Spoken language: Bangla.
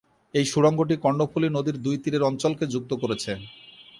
এই সুড়ঙ্গটি কর্ণফুলী নদীর দুই তীরের অঞ্চলকে যুক্ত করবে।